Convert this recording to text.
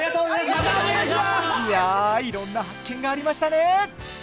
いや、いろんな発見がありましたね。